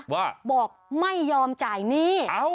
บอกไม่ยอมจ่ายหนี้